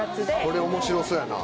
これ面白そうやな。